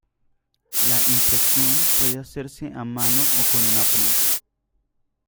La impresión puede hacerse a mano o con una prensa.